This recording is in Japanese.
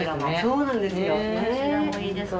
そうなんですよ。